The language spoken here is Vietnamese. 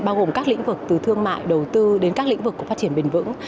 bao gồm các lĩnh vực từ thương mại đầu tư đến các lĩnh vực của phát triển bền vững